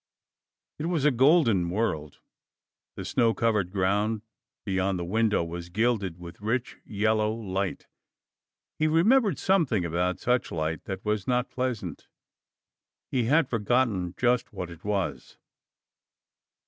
It was a golden world; the snow covered ground beyond the window was gilded with rich, yellow light. He remembered something about such light that was not pleasant. He had forgotten just what it was.